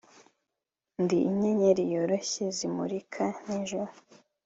Ndi inyenyeri yoroshye zimurika nijoro